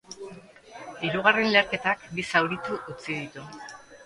Hirugarren leherketak bi zauritu utzi ditu.